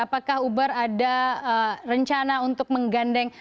apakah uber ada rencana untuk menggandeng